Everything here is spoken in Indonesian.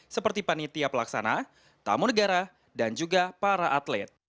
seperti panitia pelaksana tamu negara dan juga para atlet